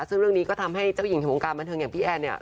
ซึ่งเรื่องนี้ก็ทำให้เจ้าหญิงในวงการบันเทิงอย่างพี่แอนเนี่ย